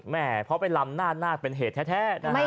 แหมเพราะไปลำนาเป็นเหตุแท้